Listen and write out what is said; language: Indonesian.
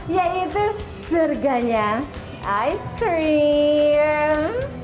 yaitu serganya ice cream